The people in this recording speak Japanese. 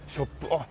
あっ。